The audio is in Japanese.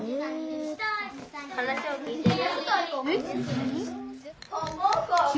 話を聞いてる？